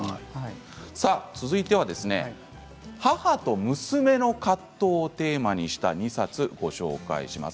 続いては母と娘の葛藤をテーマにした２冊、ご紹介します。